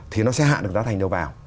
thì nó sẽ hạ được giá thành đầu vào